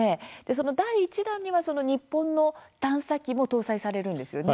その第１弾には日本の探査機も搭載されるんですよね。